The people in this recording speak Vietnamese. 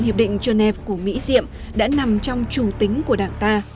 hiệp định genève của mỹ diệm đã nằm trong chủ tính của đảng ta